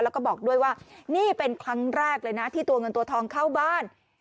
แล้วก็บอกด้วยว่านี่เป็นครั้งแรกเลยนะที่ตัวเงินตัวทองเข้าบ้าน